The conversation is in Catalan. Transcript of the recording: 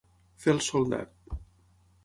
Fer el soldat.